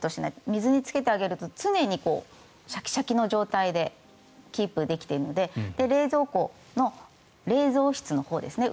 水につけてあげると常にシャキシャキの状態でキープできているので冷蔵庫の冷蔵室のほうですね